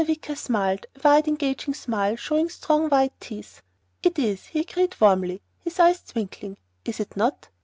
Wicker smiled, a wide engaging smile showing strong white teeth. "It is," he agreed warmly, his eyes twinkling, "Is it not?